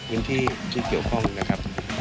พื้นที่ที่เกี่ยวข้องนะครับ